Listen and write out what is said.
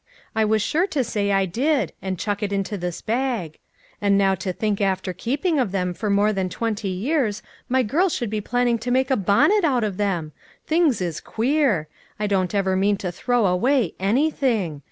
I was sure to say I did ; and chuck it into this bag ; and now to think after keeping of them for more than twenty years, my girl should be planning to make a bon net out of them ! Things is queer ! I don't ever mean to throw away anything.